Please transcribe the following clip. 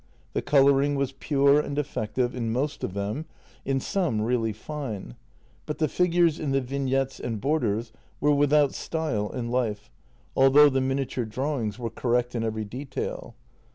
The colour ing was pure and effective in most of them, in some really fine, but the figures in the vignettes and borders were without style and life, although the miniature drawings were correct in every detail.